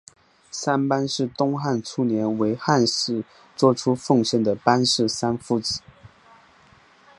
三班是东汉初年为汉室作出贡献的班氏三父子。